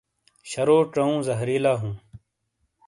شرو چاؤوں زہریلا ہوں ۔